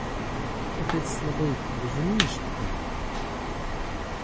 Отець слабий, розумієш тепер?